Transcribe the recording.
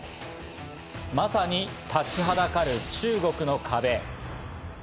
まさに立ちはだかる中国の壁。